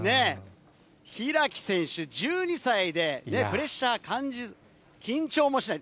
開選手１２歳でね、プレッシャー感じず、緊張もしない。